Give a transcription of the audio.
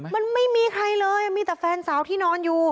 มันไม่มีใครเลยมีแต่แฟนสาวที่นอนอยู่